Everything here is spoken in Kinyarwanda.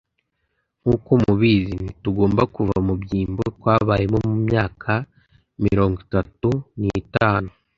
nk'uko mubizi, ntitugomba kuva mu byimbo twabayemo mu myaka mirongo itatu n'itanu